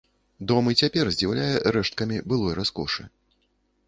Дом і цяпер здзіўляе рэшткамі былой раскошы.